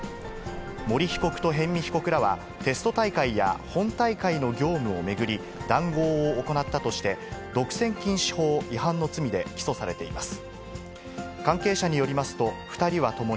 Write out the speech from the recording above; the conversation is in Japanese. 森被告と逸見被告らは、テスト大会や本大会の業務を巡り、談合を行ったとして、独占禁止法違反の罪で起訴されています。